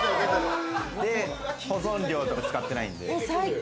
保存料とか使ってないんで。